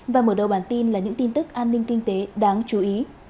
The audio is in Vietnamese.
và mở đầu bản tin là những tin tức an ninh kinh tế đáng chú ý